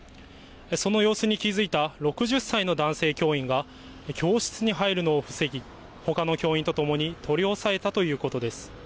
その様子に気付いた６０歳の男性教員が、教室に入るのを防ぎ、ほかの教員と共に取り押さえたということです。